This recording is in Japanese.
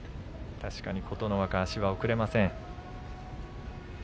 確かに琴ノ若、足が送れません。